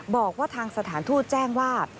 บอกว่าทางสถานทูตแจ้งว่า